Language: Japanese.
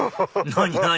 何？